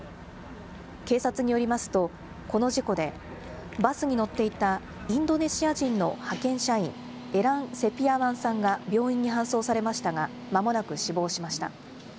警察によりますと、この事故で、バスに乗っていたインドネシア人の派遣社員、エラン・セピアワンさんが病院に搬送されましたが、まもなく死亡しました。